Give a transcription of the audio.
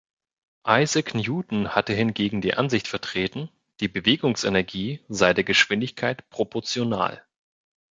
Isaac Newton hatte hingegen die Ansicht vertreten, die Bewegungsenergie sei der Geschwindigkeit proportional.